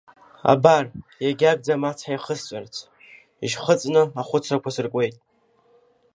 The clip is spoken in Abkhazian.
Абар, егьагӡам ацҳа еихысҵәарц, ишьхыҵәны ахәыцрақәа сыркуеит.